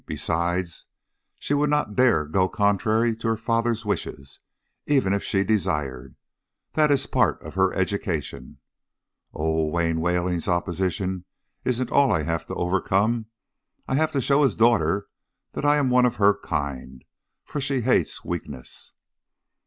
Besides, she would not dare go contrary to her father's wishes, even if she desired that is part of her education. Oh, Wayne Wayland's opposition isn't all I have had to overcome. I have had to show his daughter that I am one of her own kind, for she hates weakness."